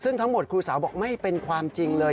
ซึ่งทั้งหมดครูสาวบอกไม่เป็นความจริงเลย